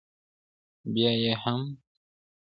بیا یې هم